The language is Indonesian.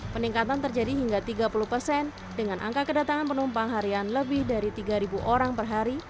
peningkatan terjadi hingga tiga puluh persen dengan angka kedatangan penumpang harian lebih dari tiga orang per hari